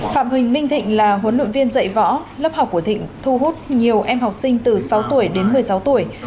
phạm huỳnh minh thịnh là huấn luyện viên dạy võ lớp học của thịnh thu hút nhiều em học sinh từ sáu tuổi đến một mươi sáu tuổi